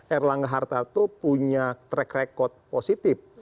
erlangga hartarto punya track record positif